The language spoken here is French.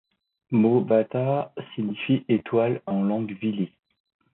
Mbota signifie étoile en langue Vili.